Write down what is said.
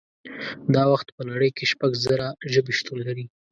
دا وخت په نړۍ کې شپږ زره ژبې شتون لري